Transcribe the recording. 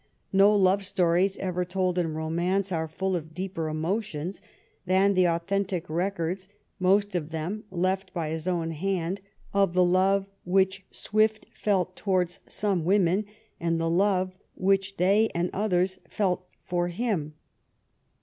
No love stories ever told in romance are full of deeper emotions than the authentic records, most of them left by his own hand, of the love which Swift felt towards some women and the love which they and others felt for him.